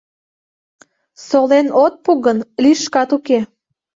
Солен от пу гын, лишкат уке.